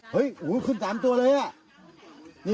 โห้ยขึ้น๓ตัวเลยอ่ะ